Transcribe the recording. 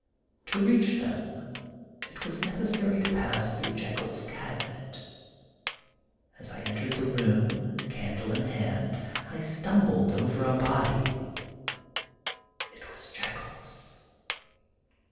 To reach them, it was necessary to pass through Jekyll's cabinet. As I entered the room, candle in hand, I stumbled over a body. It was Jekyirs.